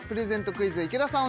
クイズは池田さん